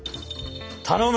頼む。